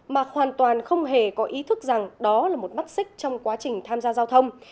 mà hoàn toàn không hề có ý thức rằng đó là một mắt xích trong quá trình tham gia giao thông